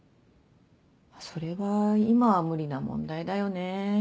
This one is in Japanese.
それは今は無理な問題だよね。